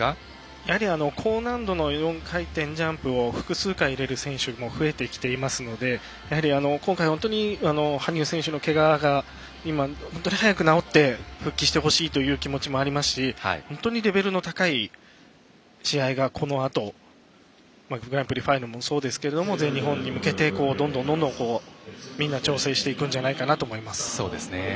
やはり高難度の４回転ジャンプを複数回入れる選手も増えてきていますので今回本当に羽生選手のけがが本当に早く治って復帰してほしいという気持ちもありますし本当にレベルの高い試合がこのあとグランプリファイナルもそうですけど全日本に向けてどんどんみんな調整していくんじゃないかなと思います。